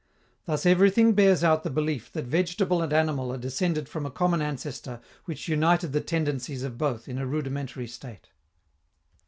Thus, everything bears out the belief that vegetable and animal are descended from a common ancestor which united the tendencies of both in a rudimentary state.